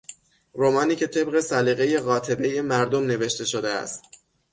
رمانی که طبق سلیقهی قاطبهی مردم نوشته شده است.